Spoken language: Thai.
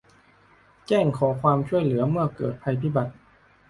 แจ้งขอความช่วยเหลือเมื่อเกิดภัยพิบัติ